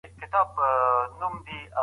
الله نور همت اڅکزى امان الله بېقلم